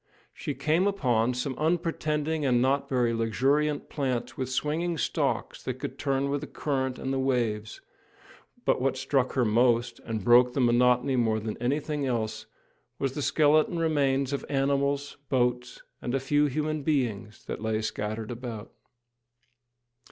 She came upon some unpretending and not very luxuriant plants with swinging stalks that could turn with the current and the waves; but what struck her most, and broke the monotony more than anything else, was the skeleton remains of animals, boats, and a few human beings, that lay scattered about.